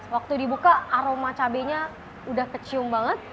waktu dibuka aroma cabainya udah kecium banget